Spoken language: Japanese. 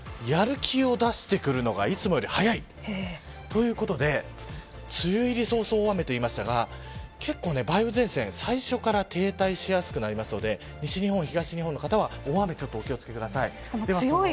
結構やる気を出してくるのがいつもより早いということで梅雨入り早々大雨と言いましたが結構、梅雨前線最初から停滞しやすくなりますので、西日本東日本の方は大雨にお気を付けください。